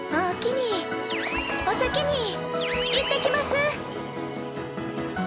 お先に行ってきます。